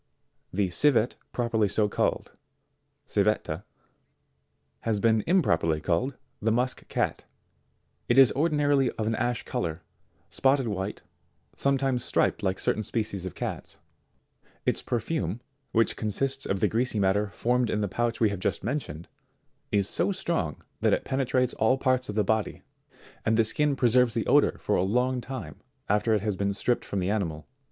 63. The Civet properly so called, Civetta, has been im properly called the musk cat. It is ordinarily of an ash colour, spotted white, sometimes striped like certain species of cats. Its perfume, which consists of the greasy matter formed in the pouch we have just mentioned, is so strong that it penetrates all parts of the body, and the skin preserves the odour for a long time after it has been stripped from the animal.